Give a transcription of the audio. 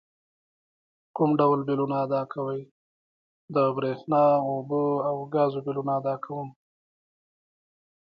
کوم ډول بیلونه ادا کوئ؟ د بریښنا، اوبو او ګازو بیلونه ادا کوم